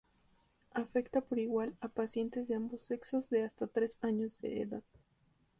Afecta por igual a pacientes de ambos sexos de hasta tres años de edad.